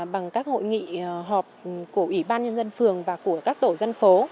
bằng các hội nghị họp của ủy ban nhân dân phường và của các tổ dân phố